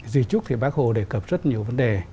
di trúc thì bác hồ đề cập rất nhiều vấn đề